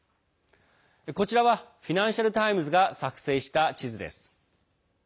こちらはフィナンシャル・タイムズが作成した地図です。